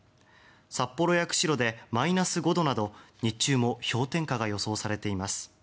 札幌や釧路でマイナス５度など日中も氷点下が予想されています